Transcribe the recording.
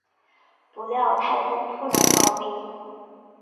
不料太宗突然暴毙。